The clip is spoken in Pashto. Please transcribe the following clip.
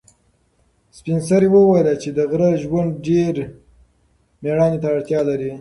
سپین سرې وویل چې د غره ژوند ډېر مېړانې ته اړتیا لري.